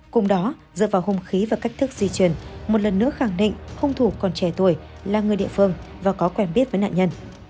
cùng đó dựa vào hung khí và cách thức di chuyển một lần nữa khẳng định hung thủ còn trẻ tuổi là người địa phương và có quen biết với nạn nhân